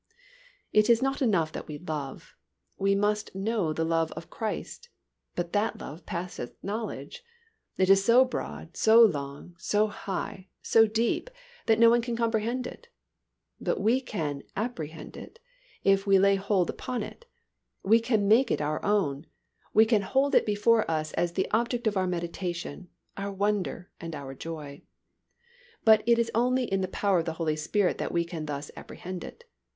_ It is not enough that we love, we must know the love of Christ, but that love passeth knowledge. It is so broad, so long, so high, so deep, that no one can comprehend it. But we can "apprehend" it, we can lay hold upon it; we can make it our own; we can hold it before us as the object of our meditation, our wonder, and our joy. But it is only in the power of the Holy Spirit that we can thus apprehend it.